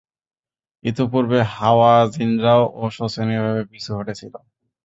ইতোপূর্বে হাওয়াযিনরাও শোচনীয়ভাবে পিছু হটেছিল।